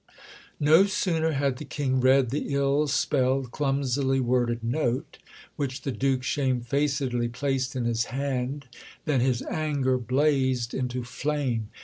No sooner had the King read the ill spelled, clumsily worded note which the Duke shamefacedly placed in his hand than his anger blazed into flame.